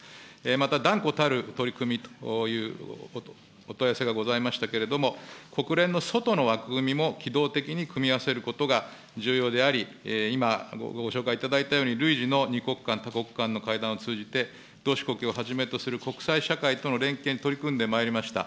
また、断固たる取り組みというお問い合わせがございましたけれども、国連の外の枠組みも機動的に組み合わせることが重要であり、今、ご紹介いただいたように、るいじの２国間、多国間の会談を通じて、同志国をはじめとする国際社会との連携に取り組んでまいりました。